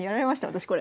私これ。